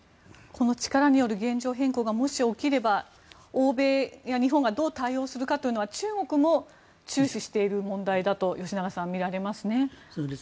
この力による現状変更がもし起きれば、欧米や日本がどう対応するかというのは中国も注視している問題だとみられますね。